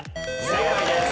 正解です。